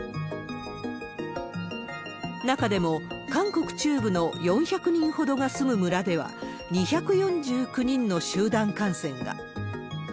中でも韓国中部の４００人ほどが住む村では、２４９人の集団感染が。